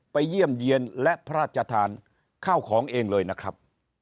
เยี่ยมเยี่ยนและพระราชทานข้าวของเองเลยนะครับ